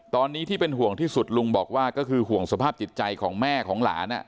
ตอนนี้ที่เป็นห่วงที่สุดลุงบอกว่าก็คือห่วงสภาพจิตใจของแม่ของหลาน